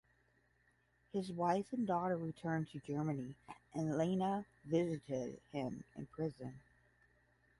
His wife and daughter returned to Germany and Lena visited him in prison.